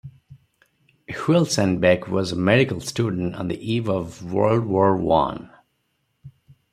Huelsenbeck was a medical student on the eve of World War One.